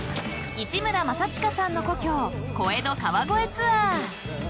［市村正親さんの故郷小江戸川越ツアー］